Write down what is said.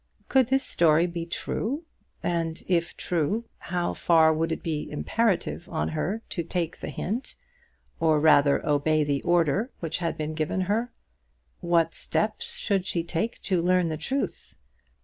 Could this story be true? And if true, how far would it be imperative on her to take the hint, or rather obey the order which had been given her? What steps should she take to learn the truth?